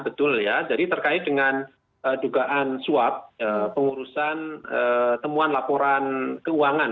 betul ya jadi terkait dengan dugaan suap pengurusan temuan laporan keuangan